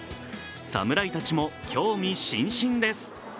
侍たちも興味津々です。